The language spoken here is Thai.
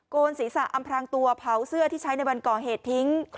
นศีรษะอำพรางตัวเผาเสื้อที่ใช้ในวันก่อเหตุทิ้ง